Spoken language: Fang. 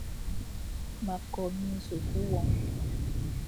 Ma ko minzùkh won.